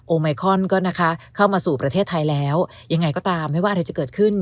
ไมคอนก็นะคะเข้ามาสู่ประเทศไทยแล้วยังไงก็ตามไม่ว่าอะไรจะเกิดขึ้น